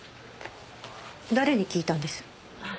誰に聞いたんです？